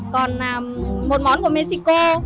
còn một món của mexico